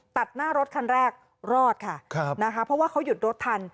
ตัดหน้ารถขั้นแรกรอดแล้วนะครับเพราะว่าเขายดรถทัน